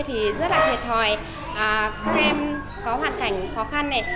thì rất là thiệt thòi các em có hoàn cảnh khó khăn này